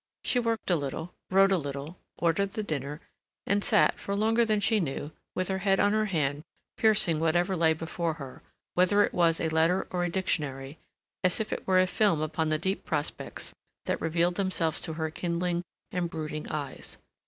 She worked a little, wrote a little, ordered the dinner, and sat, for longer than she knew, with her head on her hand piercing whatever lay before her, whether it was a letter or a dictionary, as if it were a film upon the deep prospects that revealed themselves to her kindling and brooding eyes.